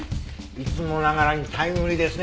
いつもながらにタイムリーですね。